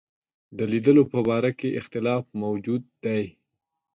د لیدلو په باره کې اختلاف موجود دی.